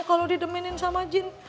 kalau dideminin sama jin